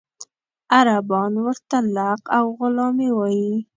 عربان ورته لق او غلامي وایي.